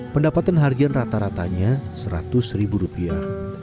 pendapatan harian rata ratanya seratus ribu rupiah